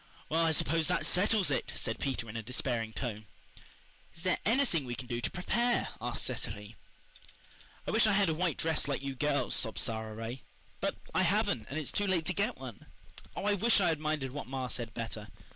"Well, I suppose that settles it," said Peter, in despairing tone. "Is there anything we can do to PREPARE?" asked Cecily. "I wish I had a white dress like you girls," sobbed Sara Ray. "But I haven't, and it's too late to get one. Oh, I wish I had minded what ma said better.